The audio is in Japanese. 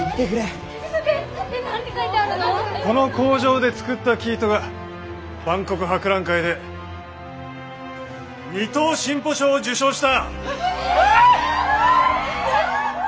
この工場で作った生糸が万国博覧会で二等進歩賞を受賞した！